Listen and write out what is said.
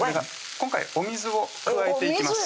今回お水を加えていきます